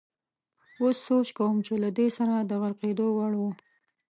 اوس سوچ کوم چې له ده سره د غرقېدو وړ وو.